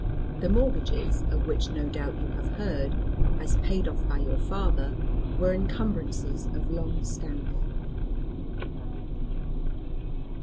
The mortgages, of which no doubt you have heard, as paid off by your father, were encumbrances of long standing.